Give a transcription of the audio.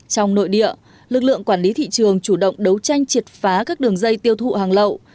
trong nội địa lực lượng quản lý thị trường chủ động đấu tranh triệt phá các đường dây tiêu thụ hàng lậu